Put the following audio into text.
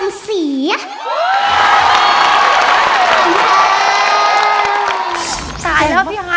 โมโฮโมโฮโมโฮ